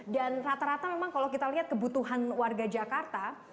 dan rata rata memang kalau kita lihat kebutuhan warga jakarta